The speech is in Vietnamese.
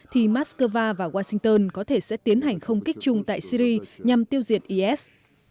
thì moscow và washington có thể sẽ tiến hành không kích chung tại syri nhằm tiêu diệt is